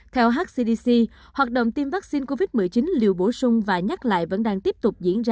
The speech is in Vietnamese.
theo hcdc hoạt động tiêm vaccine covid một mươi chín liều bổ sung và nhắc lại vẫn đang tiếp tục diễn ra